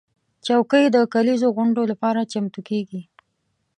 چوکۍ د کليزو غونډو لپاره چمتو کېږي.